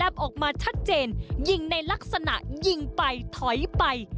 ออกมาชัดเจนยิงในลักษณะยิงไปถอยไป